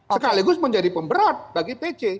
sekaligus menjadi pemberat bagi pc